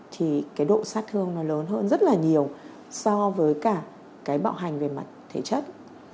thì độ sát thương nó lớn hơn rất là nhiều so với cả bạo hành về mặt thể chất